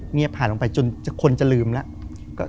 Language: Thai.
เงียบผ่านลงไปจนคนจะลืมแล้ว